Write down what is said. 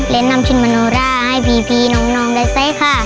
เรียนนำชิ้นมโนราให้พี่น้องได้ซัยค่ะ